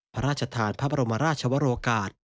พระราชทานพระบรมราชวรกาศ